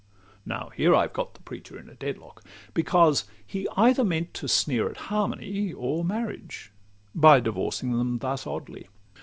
Now here I've got the preacher at a dead lock. Because he either meant to sneer at harmony Or marriage, by divorcing them thus oddly.